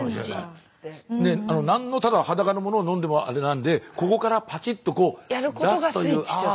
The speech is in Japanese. なんのただ裸のものを飲んでもあれなんでここからパチッとこう出すという。